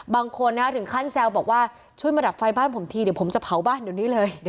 บางคนถึงขั้นแซวบอกว่าช่วยมาดับไฟบ้านผมทีเดี๋ยวผมจะเผาบ้านเดี๋ยวนี้เลย